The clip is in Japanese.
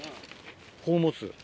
こう持つ。